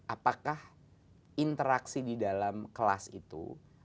apakah interaksi di dalam kelas itu